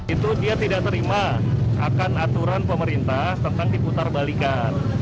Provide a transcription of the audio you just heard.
itu dia tidak terima akan aturan pemerintah tentang diputar balikan